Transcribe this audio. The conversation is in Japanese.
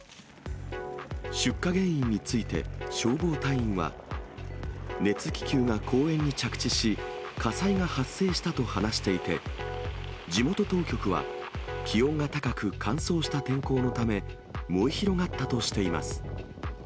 出火原因について、消防隊員は、熱気球が公園に着地し、火災が発生したと話していて、地元当局は、気温が高く、乾燥した天候のため、燃え広がったとしています。